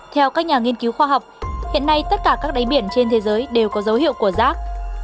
theo các nhà nghiên cứu khoa học hiện nay tất cả các đáy biển trên thế giới đều có dấu hiệu của rác